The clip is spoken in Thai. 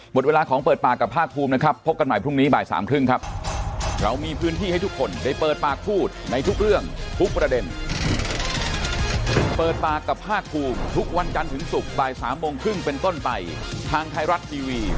หมดเวลาของเปิดปากกับภาคภูมินะครับพบกันใหม่พรุ่งนี้บ่ายสามครึ่งครับ